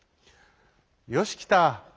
「よしきた。